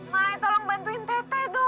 mai tolong bantuin tete dok